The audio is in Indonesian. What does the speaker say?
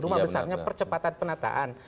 rumah besarnya percepatan penataan